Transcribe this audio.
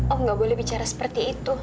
om enggak boleh bicara seperti itu